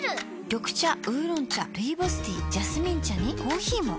緑茶烏龍茶ルイボスティージャスミン茶にコーヒーも。